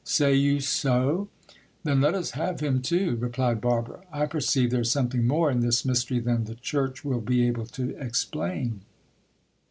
Say you so ! Then let us have him too, replied Bar bara. I perceive there is something more in this mystery than the church will be able to explain.